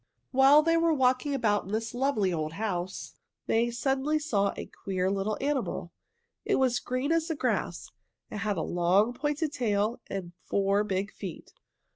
While they were walking about in this lovely old house, May suddenly saw a queer little animal. It was as green as grass, and it had a long pointed tail and four big feet.